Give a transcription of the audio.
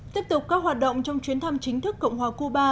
tiếp tục các hoạt động trong chuyến thăm chính thức cộng hòa cuba